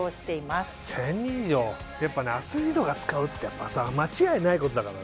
やっぱねアスリートが使うって間違いないことだからね。